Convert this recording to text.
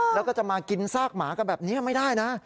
แล้วก็จะมากินซากหมากันแบบนี้ไม่ได้นะ